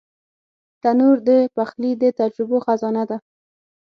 تنور د پخلي د تجربو خزانه ده